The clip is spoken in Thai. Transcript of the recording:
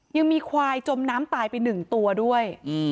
ยังมีควายจมน้ำตายไป๑ตัวด้วย